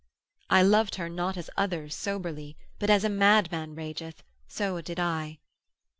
I lov'd her not as others soberly, But as a madman rageth, so did I.